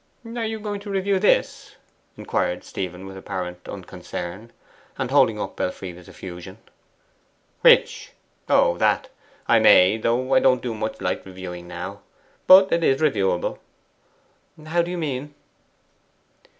'Are you going to review this?' inquired Stephen with apparent unconcern, and holding up Elfride's effusion. 'Which? Oh, that! I may though I don't do much light reviewing now. But it is reviewable.' 'How do you mean?